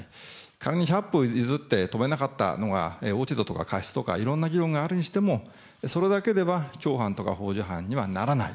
仮に１００歩譲って、止めなかったのが落ち度とか過失とか、いろんな議論があるにしても、それだけでは共犯とか、ほう助犯にはならない。